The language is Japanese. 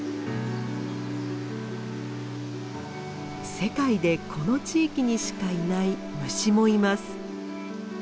世界でこの地域にしかいない虫もいます。